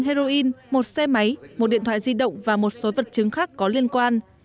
heroin một xe máy một điện thoại di động và một số vật chứng khác có liên quan